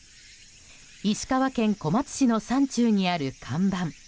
石川県小松市の山中にある看板。